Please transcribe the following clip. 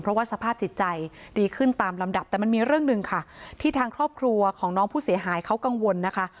เพราะว่าสภาพจิตใจดีขึ้นตามลำดับแต่มันมีเรื่องหนึ่งค่ะที่ทางครอบครัวของน้องผู้เสียหายเขากังวลนะคะ